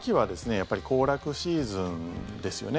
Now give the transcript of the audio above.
やっぱり行楽シーズンですよね。